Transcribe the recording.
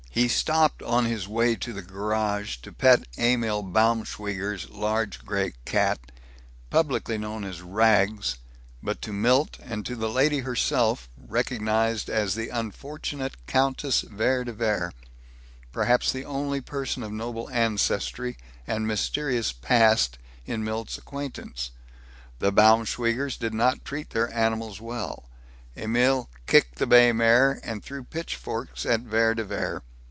He stopped on his way to the garage to pet Emil Baumschweiger's large gray cat, publicly known as Rags, but to Milt and to the lady herself recognized as the unfortunate Countess Vere de Vere perhaps the only person of noble ancestry and mysterious past in Milt's acquaintance. The Baumschweigers did not treat their animals well; Emil kicked the bay mare, and threw pitchforks at Vere de Vere.